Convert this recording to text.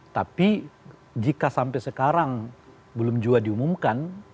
tapi jika sampai sekarang belum juga diumumkan